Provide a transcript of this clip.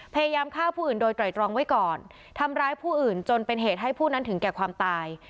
พยายามฆ่าผู้อื่นโดยไตรตรองไว้ก่อนทำร้ายผู้อื่นจนเป็นเหตุให้ผู้นั้นถึงแก่ความตาย